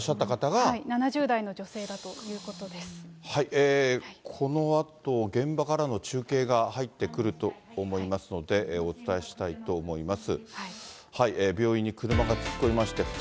７０代の女性だということでこのあと、現場からの中継が入ってくると思いますので、お伝えしたいと思います。